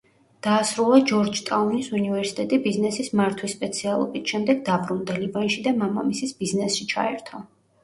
დაასრულა ჯორჯტაუნის უნივერსიტეტი ბიზნესის მართვის სპეციალობით, შემდეგ დაბრუნდა ლიბანში და მამამისის ბიზნესში ჩაერთო.